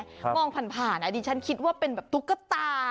มองผ่านดิฉันคิดว่าเป็นแบบตุ๊กตา